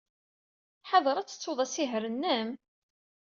Ḥader ad tettud asihaṛ-nnem?